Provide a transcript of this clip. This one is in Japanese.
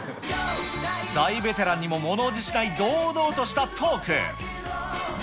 大ベテランにもものおじしない堂々としたトーク。